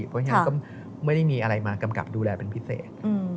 เพราะฉะนั้นก็ไม่ได้มีอะไรมากำกับดูแลเป็นพิเศษ